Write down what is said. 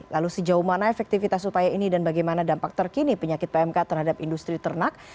lalu sejauh mana efektivitas upaya ini dan bagaimana dampak terkini penyakit pmk terhadap industri ternak